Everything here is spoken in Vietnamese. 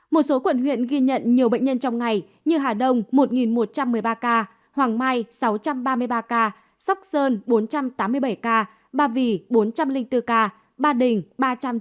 một số quận huyện ghi nhận nhiều bệnh nhân trong ngày như hà đông một một trăm một mươi ba ca hoàng mai sáu trăm ba mươi ba ca sóc sơn bốn trăm tám mươi bảy ca ba vì bốn trăm linh bốn ca ba đình ba trăm chín mươi tám